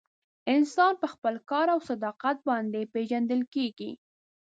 انسان په خپل کار او صداقت باندې پیژندل کیږي.